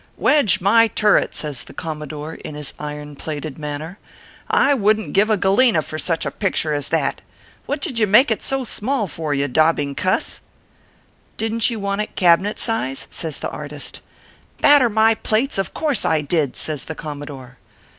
"Wedge my turret !" says the Commodore, in his iron plated manner, " I wouldn t give a Galena for such a picture as that. What did you make it so small for, you daubing cuss ?"" Didn t you want it Cabinet size ?" says the artist. " Batter my plates ! of course I did," says the Commodore.